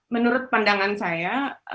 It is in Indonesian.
menurut pandangan saya